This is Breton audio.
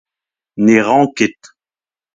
Ne ran ket.